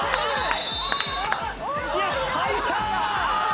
入った！